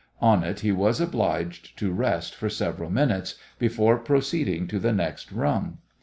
On it he was obliged to rest for several minutes before proceeding to the next rung.